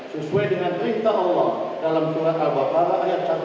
sesuai dengan perintah allah dalam surah al baqarah ayat satu ratus delapan puluh tiga